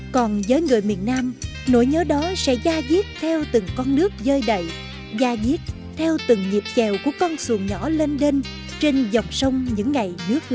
còn với người miền nam nỗi nhớ đó sẽ gia diết theo từng con nước dơi đầy gia diết theo từng nhịp chèo của con xuồng nhỏ lên đênh trên dòng sông những ngày nước lũ